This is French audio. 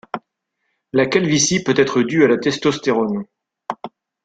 La calvitie peut être due à la testostérone.